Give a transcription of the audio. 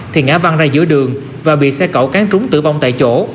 thì ngã văng ra giữa đường và bị xe cẩu cán trúng tử vong tại chỗ